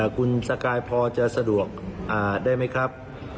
คุณสกายพอจะสะดวกได้ไหมครับ